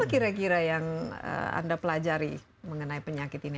apa kira kira yang anda pelajari mengenai penyakit ini